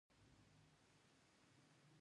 د ننګرهار په بټي کوټ کې د ګچ نښې شته.